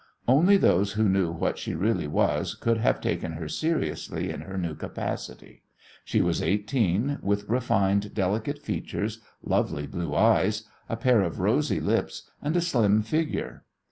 Only those who knew what she really was could have taken her seriously in her new capacity. She was eighteen, with refined, delicate features, lovely blue eyes, a pair of rosy lips, and a slim figure.